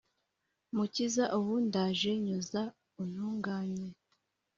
Mukiza ubu ndaje nyoza untunganye